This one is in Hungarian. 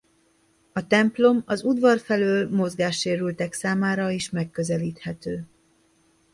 A templom az udvar felől mozgássérültek számára is megközelíthető.